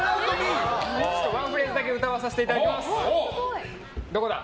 ワンフレーズだけ歌わせていただきます。